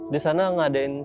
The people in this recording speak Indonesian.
di sana mengadakan selekan